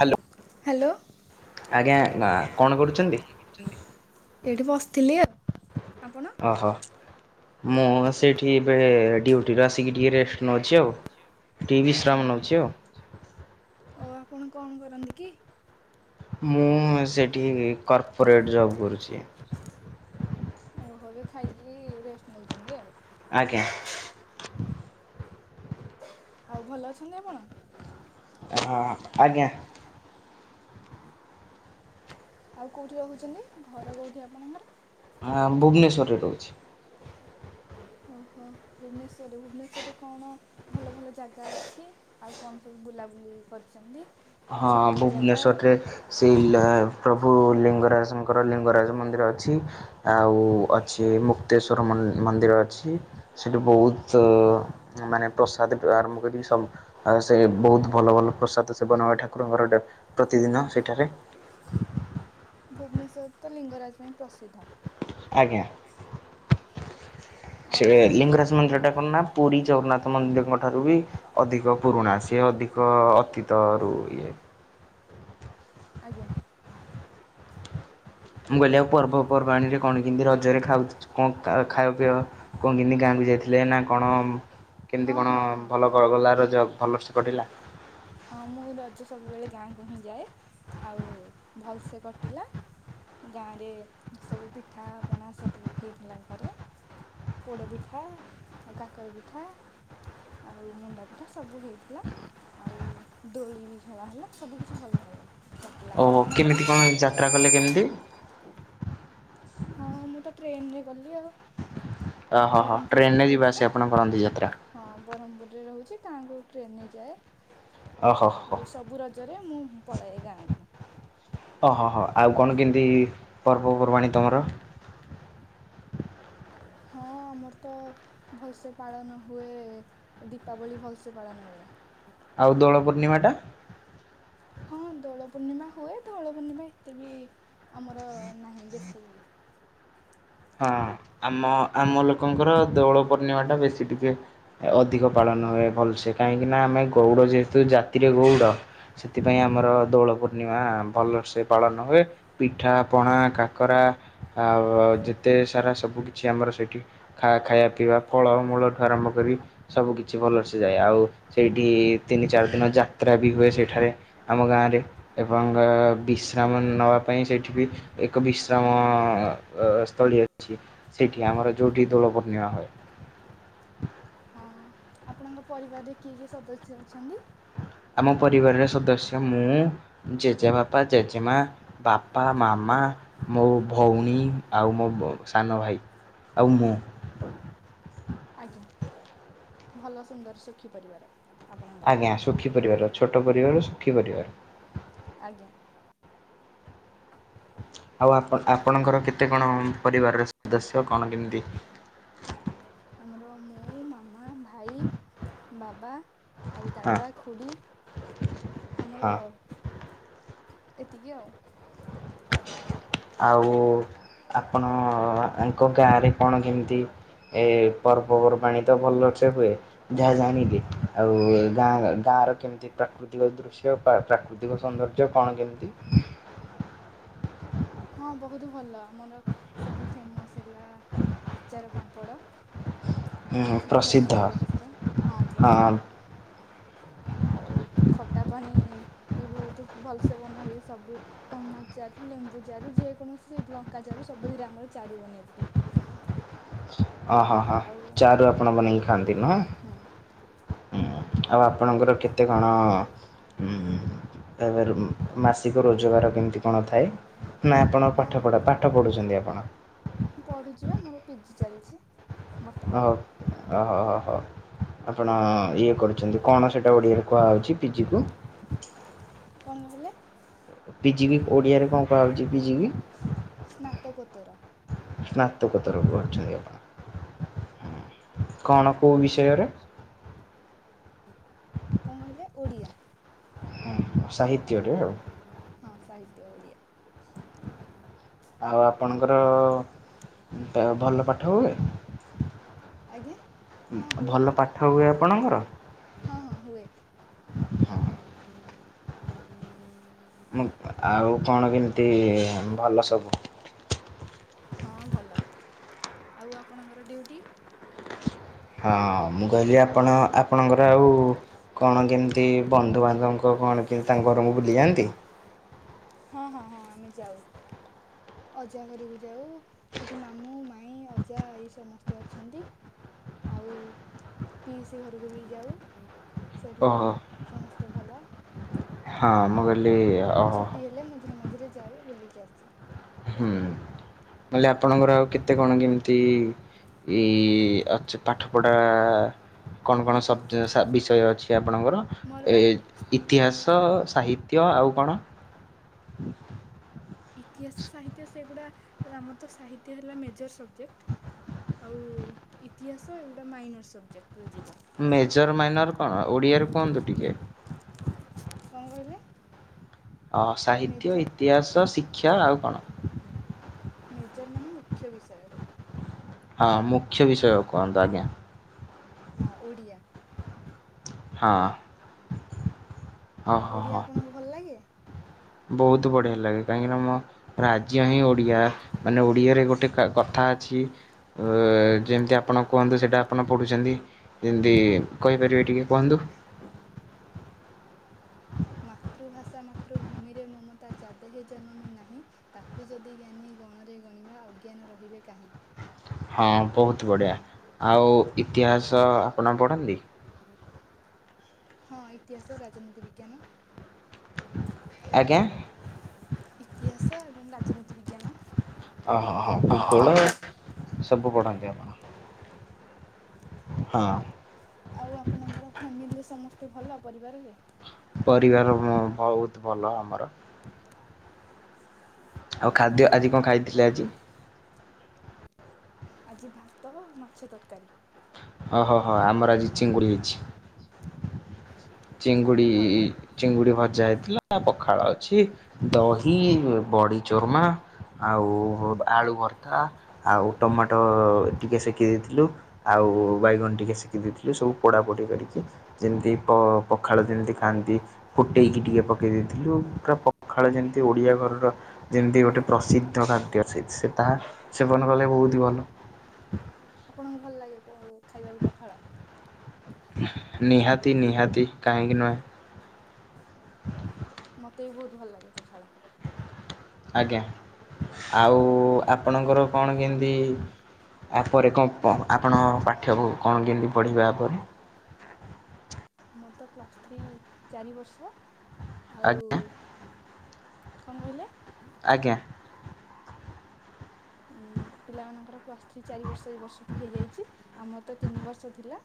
Hello. Hello. ଆଜ୍ଞା କଣ କରୁଛନ୍ତି? ଏଇଠି ବସିଥିଲି ଆଉ। ଆପଣ? ଓହୋ। ମୁଁ ସେଇଠି ଇବେଳେ ଡି୍ୟୁଟିରୁ ଆସିକି ଟିକି ରେଷ୍ଟ ନେଉଛି ଆଉ। ଟିକେ ବିଶ୍ରାମ ଓହୋ। ନଉଛି ଆଉ। ଓ ଆପଣ କଣ କରନ୍ତି କି? ମୁଁ ସେଠି କର୍ପୋରେଟ ଜବ କରୁଚି। ଓହୋ ଏବେ ଖାଇକି ରେଷ୍ଟ ନଉଚନ୍ତି ଆଉ। ଆଜ୍ଞା। ଆଉ ଭଲ ଅଛନ୍ତି ଆପଣ? ଆଜ୍ଞା। ଆଉ କେଉଁଠି ରହୁଚନ୍ତି? ଘର କୋଉଁଠି ଆପଣଙ୍କର? ଆ ଭୁବନେଶ୍ୱରରେ ରହୁଛି। ଓହୋ। ଭୁବନଶ୍ଵରରେ ଭୁବନେଶ୍ୱରରେ କଣ ଭଲ ଭଲ ଜାଗା ଅଛି? ଆଉ କଣ ସବୁ ବୁଲାବୁଲି କରିଚନ୍ତି? ହଁ ଭୁବନେଶ୍ୱରରେ ସେଇ ଲ ପ୍ରଭୁ ଲିଙ୍ଗରାଜଙ୍କର ଲିଙ୍ଗରାଜ ମନ୍ଦିର ଅଛି। ଆଉ ଅଛି ମୁକ୍ତେଶ୍ଵର ମନ୍ଦିର ଅଛି। ସେଠୁ ବହୁତ ମାନେ ପ୍ରସାଦ ଠୁ ଆରମ୍ଭ କରିକି ସବୁ ଆଉ ସେ ବହୁତ ଭଲ ଭଲ ପ୍ରସାଦ ସେବନ ଠାକୁରଙ୍କର ଟେ ପ୍ରତିଦିନ ସେଠାରେ। ଭୁବନେଶ୍ଵର ତ ଲିଙ୍ଗରାଜ ପାଇଁ ପ୍ରସିଦ୍ଧ। ଆଜ୍ଞା। ଆଉ ସେ ଲିଙ୍ଗରାଜ ମନ୍ଦିରଟା କଣ ନା ପୁଡ଼ି ଜଗନ୍ନାଥ୍ ମନ୍ଦିଡ଼ଙ୍କ ଠାରୁ ବି ଅଦିକ ପୁରୁଣା ସିଏ ଅଦିକ ଅତୀ ତରୁ ଇଏ। ଆଜ୍ଞା। ମୁଁ କଇଲିି ଆଉ ପର୍ବପର୍ବାଣିରେ କଣ କେମତି ରଜରେ ଖାଉଚ କଁ କା ଖାଅ ପିଆ? କନ କେମତି ଗାଁ କୁ ଯାଇଥିଲେ ନା କଣ? କେମତି ହଁ କଣ ହଁ ହଁ ଭଲ ଗ ହଁ। ଗଲା ରଜ ଭଲ ସେ କଟିଲା? ହଁ ମୁଁ ରଜ ସବୁବେଳେ ଗାଁକୁ ହିଁ ଯାଏ ଆଉ ଭଲସେ କଟିଲା। ଗାଁରେ ସବୁ ପିଠାପଣା ସବୁ ହୋଇଥିଲା ଘରେ। ପୋଡ଼ ପିଠା ଆଉ କାକର ପିଠା ଆଉ ମୁଣ୍ଡା ପିଠା ସବୁ ହେଇଥିଲା। ଆଉ ଦୋଳି ବି ଖେଳା ହେଲା ସବୁ କିଛି ଭଲ ହେଲା କଟିଲା। ଆଉ ଓହୋ ଆପଣଙ୍କର? କେମିତି [unintelligible] କଲେ କେମତି? ହଁ ମୁଁ ତ ଟ୍ରେନ୍ ରେ ଗଲି ଆଉ। ଓହୋ ହୋ ବରମ୍ପୁର୍ ରେ ଟ୍ରେନରେ ଯିବା ରହୁଛି ତ। ଆସିବା ଆପଣ କରନ୍ତି ଯାତ୍ରା ହଁ ବରହମ୍ପୁର୍ ରେ ରହୁଛି ତା ଆଁଗୁ ଟ୍ରେନ୍ ନେ ଯାଏ। ଓହୋ ହୋ ଆଉ ସବୁ ରଜରେ ମୁଁ ପଳାଏ ଗାଁକୁ। ଅ ହ ହ ଆଉ କଣ କେମ୍ତି ପର୍ବପର୍ବାଣି ତମର? ହଁ ମୋର୍ ତ ଭଲ୍ ସେ ପାଳନ ହୁଏ। ଦୀପାବଳି ଭଲ୍ ସେ ପାଳନ ହୁଏ। ଆଉ ଦୋଳ ପୂର୍ଣ୍ଣିମା ଟା? ହଁ ଦୋଳ ପୂର୍ଣ୍ଣିମା ହୁଏ। ଦୋଳ ପୂର୍ଣ୍ଣିମା ଏତେ ବି ଆମର ନାହିଁ ବେଶୀ। ହାଁ ଆମ ଆମ ଲୋକଙ୍କର ଦୋଳ ପୂର୍ଣ୍ଣିମାଟା ବେଶୀ ଟିକେ ଅଦିକ ପାଳନ ହୁଏ ଭଲ୍ ସେ କାଇଁକିନା ଆମେ ଗଉଡ଼ ଯେହେତୁ ଜାତିରେ ଗଉଡ଼। ସେଥିପାଇଁ ଆମର ଦୋଳ ପୂର୍ଣ୍ଣିମା ଭଲର୍ସେ ପାଳନ ହୁଏ। ପିଠା ପଣା କାକରା ଆୱ ଯେତେ ସାରା ସବୁକିଛି ଆମର ସେଠି ଖା ଖାଇଆ ପିଇବା ଫଳ ମୂଳଠୁ ଆରମ୍ଭ କରି ସବୁ କିିଛି ଭଲ ସେ ତୁ ଯାଏ। ଆଉ ସେଇଟି ତିନି ଚାର୍ ଦିନ ଯାତ୍ରା ବି ହୁଏ। ସେଠାରେ ଆମ ଗାଁରେ। ଏବଂ ଆ ବିଶ୍ରାମ ନବା ପାଇଁ ସେଠିକି ଏକ ବିଶ୍ରାମ ଅ ପୁଳି ଅଛି ସେଇଠି ଆମର ଯୋଉଠି ଦୋଳ ପୂର୍ଣିମା ହଏ। ହଁ ଆପଣଙ୍କ ପରିବାର୍ ରେ କିଏ କିଏ ସଦସ୍ୟ ଅଛନ୍ତି? ଆମ ପରିବାର୍ ରେ ସଦସ୍ୟ ମୁଁ ଜେଜେ ବାପା ଜେଜେ ମା। ବାପା, ମାମା, ମୋ ଭଉଣୀ ଆଉ ମୋ ବ ସାନ ଭାଇ। ଆଉ ମୁଁ। ଆଜ୍ଞା ଭଲ ସୁନ୍ଦର୍ ସୁଖୀ ପରିବାର। ଆପଣଙ୍କର ଆଜ୍ଞା ସୁଖୀ ପରିବାର। ଛୋଟ ପରିବାର ସୁଖୀ ପରିବାର। ଆଜ୍ଞା। ଆଉ ଆପନ୍ ଆପଣଙ୍କର କେତେ କଣ ଉମ୍ ପରିବାରରେ ସଦସ୍ୟ କଣ କେମ୍ତି? ଆମର ମୁଁ, ମାମା, ମା। ଭାଇ, ବାବା ଆଉ ହଁ ଦାଦା, ଖୁଡ଼ି। ଆମର ହଁ। ଏତିକି ଆଉ। [inaudible] ଆଉ ଆପଣ ଆଙ୍କ ଗାଁରେ କଣ କେମ୍ତି। ଏ ପର୍ବପର୍ବାଣି ତ ଭଲର୍ସେ ହୁଏ। ଯାହା ଜାଣିଲି ଆଉ ଗାଁ ଗାଁର କେମ୍ ତି ପ୍ରାକୃତିକ ଦୃ ଶ୍ୟ ପା ପ୍ରାକୃତିକ ସୌନ୍ଦର୍ଯ୍ୟ କଣ କେମ୍ ତି? ହଁ ବହୁତ୍ ଭଲ ଆମର ସେଠି ଫେମସ୍ ହେଲା ଆଚାର ପାମ୍ପଡ଼। ଉଁ ସେଠିକି ପ୍ରସିଦ୍ଧ ଆସିବେ ଗୋଟେ ଥର। ହଁ ପ୍ରସିଦ୍ଧ। ଆଉ ଖଟା ପାଣି ବି ବହୁତୁ ଭଲ୍ ସେ ବନା ହୁଏ ସବୁ। ଟମାଟ୍ ଜାରୁ ଲେମ୍ବୁ ଜାରୁ ଯେକୌଣସି ଲଙ୍କା ଜାରୁ ସବୁଥିରେ ଆମର ଚାରୁ ବନେଇକି ପିଉ। ଓହ ହଁ ହଁ ଆଉ ଚାରୁ ଆପଣ ବନେଇକି ଖାଆନ୍ତି ନୁହଁ। ହୁଁ ଉଁ ଆଉ ଆପଣଙ୍କର କେତେ କ? କଣ ଉମ୍ ଏବେର୍ ମାସିକ ରୋଜଗାର କେମିତି କଣ ଥାଏ? ନା ଆପଣ ପାଠ ପଢା ପାଠ ପଢୁଛନ୍ତି ଆପଣ। ପଢୁଚି ବା ମୋର ପିଜି ଚାଲଚି। ଅହୋ ଅ ହ ହ ହ ଆପଣ ଇଏ କରୁ ଚନ୍ତି କଣ ସେଇଟା ଓଡିଆରେ କୁହାଉଛିି ପି ଜି କୁ? କଣ କହିଲେ? ପି ଜି କି ଓଡିଆରେ କଣ କୁହା ହଉଛି ପି ଜି କି? ସ୍ନାତକୋତ୍ତର। ସ୍ନାତକୋତ୍ତର କରୁଛନ୍ତି ଆପଣ। କଣ କୋଉ ବିଷୟରେ? କଣ କହିଲେ? ଓଡ଼ିଆ। ହଁ ସାହିତ୍ୟରେ ଆଉ। ହଁ ସାହିତ୍ୟ ଓଡ଼ିଆ। ଆଉ ଆପଣଙ୍କର ଭଲ ପାଠ ହୁଏ? ଆଜ୍ଞା ହଁ ହୁଏ ଭଲ ପାଠ ହୁଏ ଆପଣଙ୍କର? ହଁ ହଁ ହୁଏ। ମୁଁ ଆଉ କଣ କେମିତି ଭଲ ସବୁ। ହଁ ଭଲ ଆଉ ଆପଣଙ୍କର ଡିଉଟି? ହଁ ମୁଁ କହିଲି ଆପଣ ଆପଣଙ୍କର ଆଉ କଣ କେମିତି ବନ୍ଧୁବାନ୍ଧବଙ୍କ କଣ କେମିତି ତାଙ୍କ ଘରକୁ ବୁଲିଯାଆନ୍ତି? ହଁ ହଁ ହଁ ଆମେ ଯାଉ ଅଜା ଘରକୁ ଯାଉ। ସେଠି ମାମୁଁ ମାଇ ଅଜା ଏଇ ସମସ୍ତେ ଅଛନ୍ତି। ଆଉ ପିଇଶି ଘରକୁ ବି ଯାଉ ସେଇଠି ବି ଓହୋ ସମସ୍ତେ ଭଲ। ହଁ ମୁଁ କହିଲି ଅ ଛୁଟି ହେଲେ ମଝିରେ ମଝିରେ ଯାଉ ବୁଲିକି ଆସୁ। ହୁଁ ବୋଲେ ଆପଣଙ୍କର ଆଉ କେତେ କଣ କେମିତି ଏଇ ଆଛ ପାଠପଢ଼ା କଣ କଣ [unintelligible] ବିଷୟ ଅଛି ଆପଣଙ୍କର? ମୋର ଏ ବା ଇତିହାସ ସାହିତ୍ୟ ଆଉ କଣ? ଇତିହାସ ସାହିତ୍ୟ ସେଗୁଡ଼ା ଆମର ତ ସାହିତ୍ୟ ହେଲା ମେଜର ସବଜେକ୍ଟ। ଆଉ ଇତିହାସ ଏଗୁଡା ମାଇନର୍ ସବଜେକ୍ଟରେ ଯିବ। ମେଜର୍ ମାଇନର୍ କଣ ଓଡ଼ିଆରେ କୁହନ୍ତୁ ଟିକେ। କଣ କହିଲେ? ଅ ସାହିତ୍ୟ ମେଜର ଇତିହାସ ଶିକ୍ଷା ଆଉ କଣ? ମେଜର ମାନେ ମୁଖ୍ୟ ବିଷୟ ସେଇଟା। ହଁ ମୁଖ୍ୟ ବିଷୟ କୁହନ୍ତୁ ଆଜ୍ଞା। ହଁ ଓଡ଼ିଆ ହଁ ହଁ ଓଃ ଓଡ଼ିଆ ହଁ ଆପଣଙ୍କୁ ଭଲ ଲାଗେ ବହୁତ ବଢିଆ ଲାଗେ କାହିଁକିନା ମ ରାଜ୍ୟ ହିଁ ଓଡିଆ ମାନେ ଓଡିଆରେ ଗୋଟେ କଥା ଅଛି ଯେମିତି ଆପଣ କୁହନ୍ତୁ ସେଇଟା ଆପଣ ପଢ଼ୁଛନ୍ତି ଯେମିତି କହିପାରିବେ ଟିକେ? କୁହନ୍ତୁ? ମାତୃଭାଷା ମାତୃ ଭୂମିରେ ମମତା ଯାଦେହେ ଜନମୀ ନାହିଁ ତାକୁ ଯଦି ଜ୍ଞାନୀ ଗଣରେ ଗଣିବା ଅଜ୍ଞାନ ରହିବେ କାହିଁ। ହଁ ବହୁତ ବଢ଼ିଆ ଆଉ ଇତିହାସ ଆପଣ ପଢ଼ନ୍ତି? [inaudible] ହଁ ଇତିହାସ ରାଜନୀତି ବିଜ୍ଞାନ ଆଜ୍ଞା? ଇତିହାସ ଏବଂ ରାଜନୀତି ଓହୋ ହଁ ଭୂଗୋଳ ବିଜ୍ଞାନ। ସବୁ ପଢ଼ାନ୍ତି ଆପଣ। ହଁ ଆଉ ଆପଣଙ୍କର ଫ୍ୟାମିଲି ସମସ୍ତେ ଭଲ ପରିବାରରେ? ପରିବାର ବହୁତ ଭଲ ଆମର। ଆଉ ଖାଦ୍ୟ ଆଜି କଣ ଖାଇଥିଲେ ଆଜି? ଆଜି ଭାତ ମାଛ ତରକାରୀ। ଓହୋ ହୋ ଆମର ଆଜି ଚିଙ୍ଗୁଡି ହେଇଛି। ଚିଙ୍ଗୁଡ଼ି ଭଲ ଚିଙ୍ଗୁଡି ଭଜା ହେଇଥିଲା ପଖାଳ ଅଛି ଦହି ବଡି ଚୋର୍ମା ଆଉ ଆଳୁ ଭର୍ତା ଆଉ ଟମାଟୋ ଟିକେ ସେକେଇ ଦେଇଥିଲୁ। ଆଉ ବାଇଗଣ ଟିକେ ଶିଖି ଦେଇଥିଲୁ ସବୁ ପଢାପୋଢ଼ି କରିକି ଯେମିତି ପ ପଖାଳ ଯେମିତି ଖାଆନ୍ତି ଫୁଟେଇକି ଟିକେ ପକେଇ ଦେଇେଇଥିଲୁ ପୁରା ପଖାଳ ଯେମିତି ଓଡିଆ ଘରର ଯେମିତି ଗୋଟେ ପ୍ରସିଦ୍ଧ ଖାଦ୍ୟ ସେ ସେ ତାହା ସେବନ କଲେ ବହୁତି ଭଲ। ଆପଣଙ୍କୁ ଭଲ ଲାଗେ ପ ଖାଇବାକୁ ପଖାଳ? ନିହାତି ନିହାତି କାହିଁକି ନୁହେଁ। ମତେ ବି ବହୁତ୍ ଭଲ ଲାଗେ ପଖାଳ। ଆଜ୍ଞା ଆଉ ଆପଣଙ୍କର କଣ କେମିତି ଆ ପରେ କଣ ପ ଆପଣ ପାଠ୍ୟ କଣ କେମିତି ପଢ଼ିବେ ପରେ? ଆମର ତ ପ୍ଲସ୍ ଥ୍ରୀ ଚାରି ବର୍ଷ ଆଉ ଆଜ୍ଞା କଣ କହିଲେ? ଆଜ୍ଞା। ପିଲାମାନଙ୍କର ପ୍ଲସ୍ ଥ୍ରୀ ଚାରି ବର୍ଷ ଏ ବର୍ଷଠୁ ହେଇଯାଇଛି ଆମର ତ ତିନି ବର୍ଷ ଥିଲା।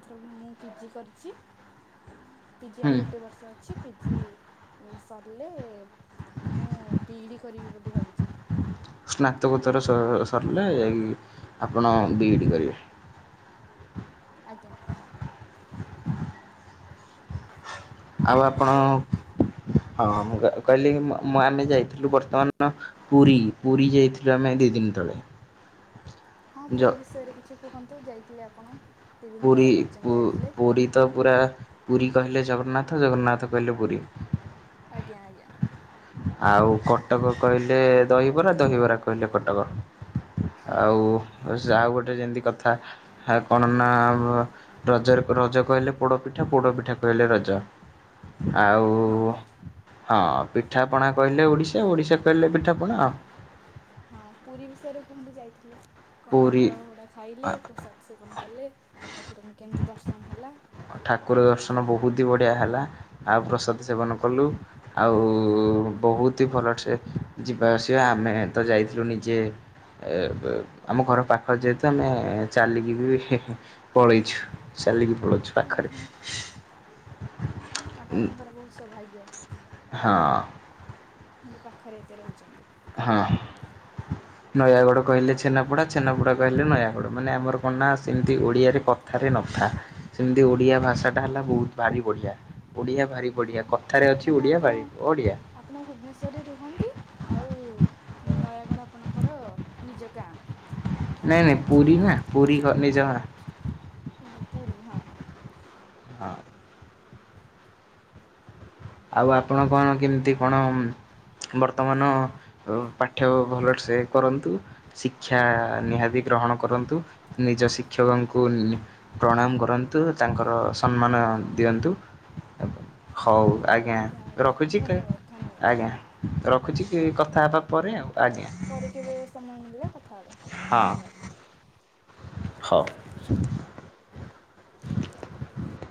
ଏଥର ମୁଁ ପିଜି କରିଛି ପିଜି ହୁଁ ଆଉ ଗୋଟେ ବର୍ଷ ଅଛି। ପିଜି ସରିଲେ ମୁଁ ବିଇ ଡ଼ି କରିବି ବୋଲି ଭାବିଛି। ସ୍ନାତକୋତ୍ତର ସ ସରିଲେ ଯାଇ ଆପଣ ବି ଏଇଡ଼ି କରିବେ। ଆଜ୍ଞା। ଆଉ ଆପଣ ହଁ ମୁଁ କ କହିଲି କି ମ ମ ଆମେ ଯାଇଥିଲୁ ବର୍ତ୍ତମାନ ପୁରୀ ପୁରୀ ଯାଇଥିଲୁ ଆମେ ଦିଇ ଦିନି ତଳେ। ହଁ ଜ ପୁରୀ ବିଷୟରେ କିଛି କୁହନ୍ତୁ ଯାଇଥିଲେ ଆପଣ। ଦୁଇ ଦିନ ପୁରୀ ତଳେ ପୁ କହୁଛନ୍ତି ଯାଇଥିଲେ ପୁରୀ ତ ପୁରା ପୁରୀ କହିଲେ ଜଗନ୍ନାଥ ଜଗନ୍ନାଥ କହିଲେ ପୁରୀ। ଆଜ୍ଞା ଆଜ୍ଞା। ଆଉ କଟକ କହିଲେ ଦହିବରା ଦହିବରା କହିଲେ କଟକ। ହୁଁ ହଁ ଆଉ ଆଉ ସେ ଆଉ ଗୋଟେ ଯେମିତି କଥା ଆ କଣ ନା ବ। ରଜରେ ରଜ କହିଲେ ପୋଡପିଠା ପୋଡ ପିଠା କହିଲେ ରଜ। ଆଉ ହଁ ହଁ ପିଠା ପଣା କହି ହେଲେ ଓଡ଼ିଶା ଓଡ଼ିଶା କହିଲେ ପିଠାପଣା ଆଉ। ହଁ ପୁରୀ ବିଷୟରେ କୁହନ୍ତୁ ଯାଇଥିଲେ? କଣ ପୁରୀ ଅଭଡ଼ା ଫଭଡ଼ା ଖାଇଲେ ପ୍ରସାଦ ସେବନ କଲେ ଆଉ ଠାକୁରଙ୍କୁ କେମିତି ଦର୍ଶନ ହେଲା? ଠାକୁର ଦର୍ଶନ ବହୁତ୍ ହି ବଢ଼ିଆ ହେଲା ଆଉ ପ୍ରସାଦ ସେବନ କଲୁ। ଆଉ ବହୁତି ଭଲସେ ଯିବା ଆସିବା ଆମେ ତ ଯାଇଥିଲୁ ନିଜେ ଏ ଏ ଆମ ଘର ପା ଖ ଯେହେତୁ ଆମେ ଚାଲିକି ବି ହେ ହେ ପଳେଇଛୁ ଚାଲିକି ପଳଉଛୁ ପାଖରେ। ଓହୋ ଆପଣଙ୍କର ବହୁତ୍ ସୌଭାଗ୍ୟ। ହଁ। ଏମିତି ପାଖରେ ଏତେ ରହୁଛନ୍ତି। ହଁ ନୟାଗଡ କହିଲେ ଛେନାପଡା ଛେନାପଡା କହିଲେ ନୟାଗଡ ମାନେ ଆମର କଣ ନାଁ ସେମିତି ଓଡ଼ିଆରେ କଥାରେ ନଥାଏ ସେମିତି ଓଡ଼ିଆ ଭାଷା ହେଲା ବହୁତ୍ ଭାରି ବଢିଆ ଓଡିଆ ଭାରି ହଁ ବଢିଆ କଥାରେ ଅଛି ମାନେ ଓଡିଆ ଆପଣ ଭାରି ବଢିଆ। ଆପଣ ଭୁବନେଶ୍ୱରରେ ରୁହନ୍ତି ଆଉ ନୟାଗଡ଼ ଆପଣଙ୍କର ନିଜ ଗାଁ। ନାଇଁ ନାଇଁ ପୁରୀ ନା ପୁରୀ ଘ ନିଜ ଗାଁ। ଓହୋ ପୁରୀ ହଁ। ହଁ। ଆଉ ଆପଣ କଣ କେମିତି କଣ ବର୍ତ୍ତମାନ ପାଠ୍ୟ ଭଲରେ ସେ କରନ୍ତୁ। ଶିକ୍ଷା ନିହାତି ଗ୍ରହଣ କରନ୍ତୁ ନିଜ ଶିକ୍ଷକଙ୍କୁ ଲି ପ୍ରଣାମ କରନ୍ତୁ ତାଙ୍କର ସମ୍ମାନ ଦିଅନ୍ତୁ ହଉଗା। ଆଜ୍ଞା ଆଜ୍ଞା ରଖୁଛି କା ଧନ୍ୟବାଦ ଧନ୍ୟବାଦ ଆଜ୍ଞା ରଖୁଛି କି ଆଜ୍ଞା। କଥା ହେବା ପରେ ଆଉ। ଆଜ୍ଞା ପରେ କେବେ ସମୟ ମିଳିଲେ କଥା ହେବା ଧନ୍ୟବାଦ୍। ହଁ।